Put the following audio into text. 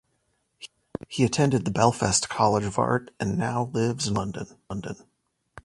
He attended the Belfast College of Art and now lives and works in London.